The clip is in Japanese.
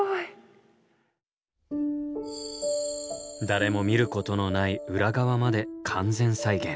誰も見ることのない裏側まで完全再現。